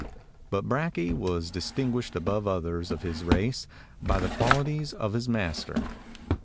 But Brakje was distinguished above others of his race by the qualities of his master.